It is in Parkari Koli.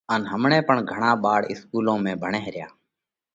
ان همڻئہ پڻ گھڻا ٻاۯ اِسڪُولون ۾ ڀڻئه ريا۔